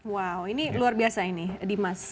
wow ini luar biasa ini dimas